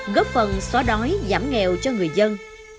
góp phần xóa đói giảm nghèo cho người dân